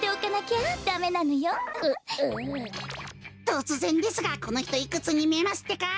とつぜんですがこのひといくつにみえますってか？